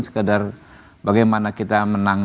sekedar bagaimana kita menang